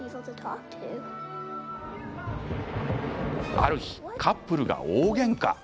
ある日、カップルが大げんか。